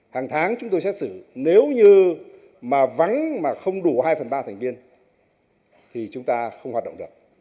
hàng tháng chúng tôi xét xử nếu như mà vắng mà không đủ hai phần ba thành viên thì chúng ta không hoạt động được